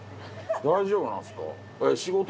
大丈夫なんすか？